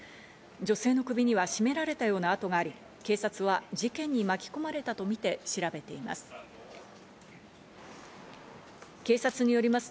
女性の首には絞められたような痕があり、警察は事件に巻き込まれたとみて調べています。